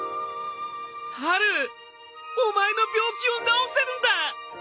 ハル！お前の病気を治せるんだ！